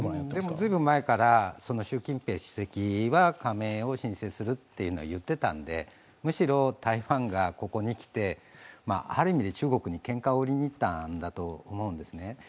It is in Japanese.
随分前からＴＰＰへの加盟は申請すると言ってたんでむしろ台湾がここにきて、ある意味で中国にけんかを売りにいったんだと思うんですね。